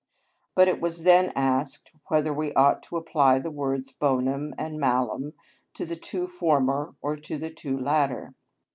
But it was then asked whether we ought to apply the words bonum and malum to the two former or to the two latter?